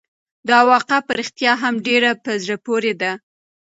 دا واقعه په رښتیا هم ډېره په زړه پورې ده.